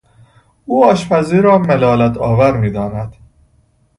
او آشپزی را ملالت آور میداند.